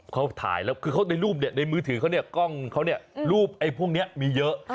เขาถ่ายแล้วคือเขาในรูปเนี่ยในมือถือเขาเนี่ยกล้องเขาเนี่ยรูปไอ้พวกนี้มีเยอะ